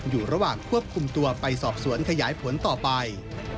อยู่ระหว่างควบคุมตัวไปสอบสวนขยายผลต่อไป